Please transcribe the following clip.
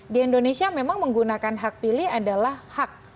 di indonesia memang menggunakan hak pilih adalah hak